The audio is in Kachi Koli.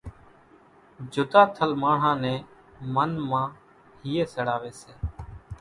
جُڌا ٿل ماڻۿان نين من مان ھئي سڙاوي سي۔